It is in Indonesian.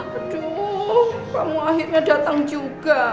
aduh kamu akhirnya datang juga